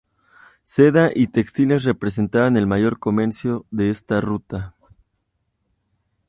Seda y textiles representaban el mayor comercio de esta ruta.